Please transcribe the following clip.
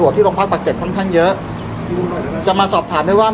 พี่แจงในประเด็นที่เกี่ยวข้องกับความผิดที่ถูกเกาหา